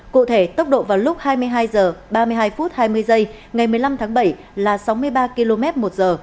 cụ thể tốc độ vào lúc hai mươi hai h ba mươi hai hai mươi ngày một mươi năm tháng bảy là sáu mươi ba km một h